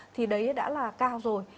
thì đấy đã là cao rồi